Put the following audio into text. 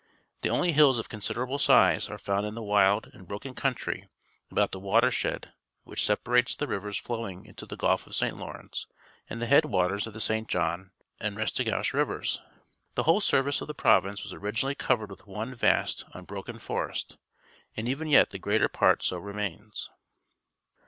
The only hills of considerable size are found in the wild and broken country about the watershed wliich separates the rivers flowing into the Gidf of St. Lawrence and the head waters of the St. John and Restigouche Rivers. The whole surface of the province was originally covered with one vast, unbroken forest, and even yet the greater part so remains.